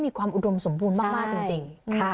มีความอุดมสมบูรณ์มากจริง